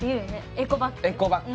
エコバッグ。